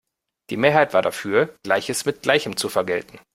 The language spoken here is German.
Die Mehrheit war dafür, Gleiches mit Gleichem zu vergelten.